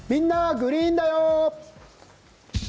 グリーンだよ」。